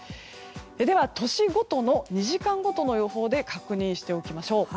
では、都市ごとの２時間ごとの予報で確認していきましょう。